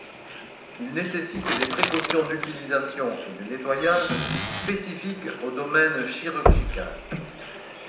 Il nécessite des précautions d'utilisation et de nettoyage, spécifiques au domaine chirurgical.